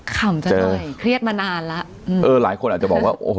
ขำจะได้เจอเครียดมานานแล้วเออหลายคนอาจจะบอกว่าโอ้โห